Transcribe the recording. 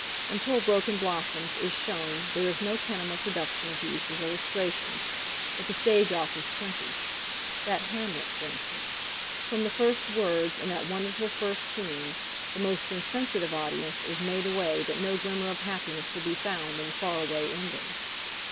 Until "Broken Blossoms" is shown there is no kinema production of use as illustration, but the stage offers plenty. That "Hamlet," for instance. From the first words in that wonderful first scene the most insensitive audience is made away that no glimmer of happiness will be found in the far away ending.